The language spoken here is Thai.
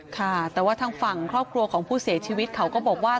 ค่ะแต่ว่าทางฝั่งครอบครัวของผู้เสียชีวิตเขาก็บอกว่า